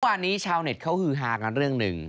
วันนี้ชาวเน็ตเขาฮือฮากันเรื่องหนึ่ง